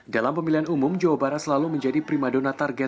dalam pemilihan umum jawa barat selalu menjadi primadona target